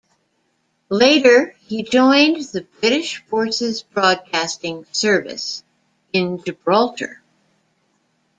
Later he joined the British Forces Broadcasting Service in Gibraltar.